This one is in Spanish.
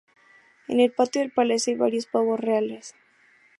En el patio del palacio hay varios pavos reales.